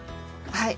はい。